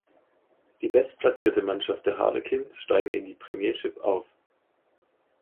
Die bestplatzierte Mannschaft, die Harlequins, stiegen in die Premiership auf.